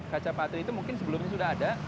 kaca patri itu mungkin sebelumnya sudah ada